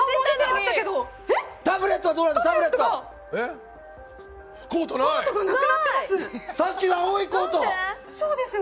タブレットはどうなのよ。